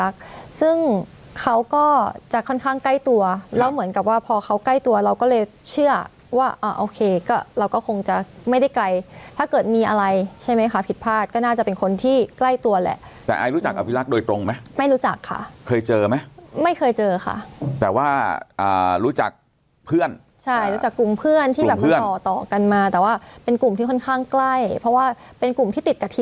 เขาใกล้ตัวเราก็เลยเชื่อว่าอ่าโอเคก็เราก็คงจะไม่ได้ไกลถ้าเกิดมีอะไรใช่ไหมคะผิดพลาดก็น่าจะเป็นคนที่ใกล้ตัวแหละแต่อายรู้จักอภิรักษ์โดยตรงไหมไม่รู้จักค่ะเคยเจอไหมไม่เคยเจอค่ะแต่ว่ารู้จักเพื่อนใช่รู้จักกลุ่มเพื่อนที่แบบต่อกันมาแต่ว่าเป็นกลุ่มที่ค่อนข้างใกล้เพราะว่าเป็นกลุ่มที่ต